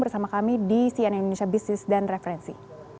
bersama kami di cnn indonesia business dan referensi